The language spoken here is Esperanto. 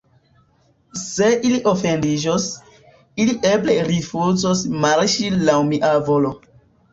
Se ili ofendiĝos, ili eble rifuzos marŝi laŭ mia volo.